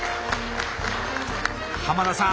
濱田さん